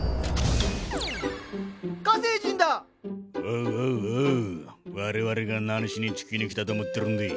おうおう我々が何しに地球に来たと思ってるんでい。